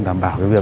đảm bảo việc